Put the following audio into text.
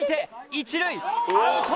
１塁アウト！